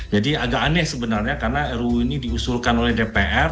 jadi agak aneh sebenarnya karena ruu ini diusulkan oleh dpr